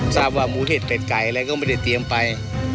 ทราบว่าหมูเห็ดเป็ดไก่อะไรก็ไม่ได้เตรียมไป